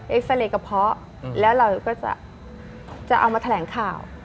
ซาเรย์กระเพาะแล้วเราก็จะเอามาแถลงข่าว